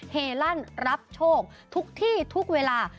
เฮลั่นรับโชคทุกที่ทุกเวลา